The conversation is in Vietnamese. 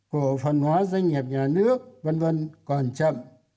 cổ phần hóa doanh nghiệp nhà nước v v còn chậm